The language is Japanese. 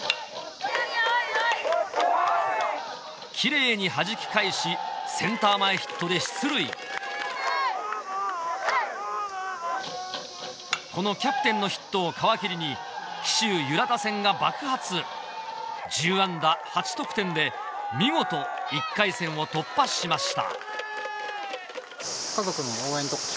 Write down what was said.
キレイにはじき返しセンター前ヒットで出塁このキャプテンのヒットを皮切りに紀州由良打線が爆発１０安打８得点で見事１回戦を突破しました